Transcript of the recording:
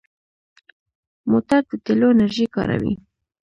موټر د تېلو انرژي کاروي.